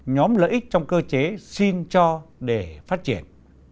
nhóm lợi ích trong cơ chế xin cho để phát triển